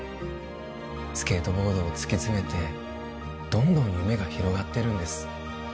スケートボードを突き詰めてどんどん夢が広がってるんです